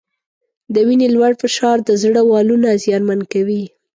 د وینې لوړ فشار د زړه والونه زیانمن کوي.